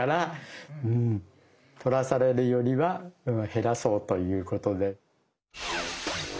取らされるよりは減らそうということで。